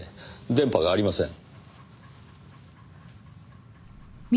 電波がありません。